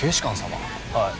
はい。